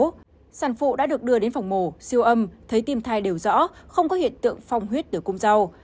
trước đó sản phụ đã được đưa đến phòng mổ siêu âm thấy tim thai đều rõ không có hiện tượng phong huyết tử cung rau